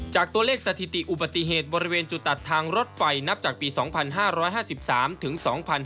จากตัวเลขสถิติอุบัติเหตุบริเวณจุดตัดทางรถไฟนับจากปี๒๕๕๓ถึง๒๕๕๙